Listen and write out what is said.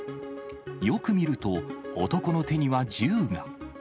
よく見ると、男の手には銃が。